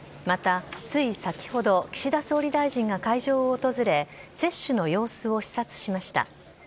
また、つい先ほど、岸田総理大臣が会場を訪れ、接種の様子を視察しました。